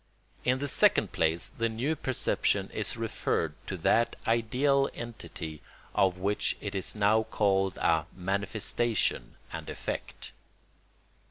In the second place the new perception is referred to that ideal entity of which it is now called a manifestation and effect.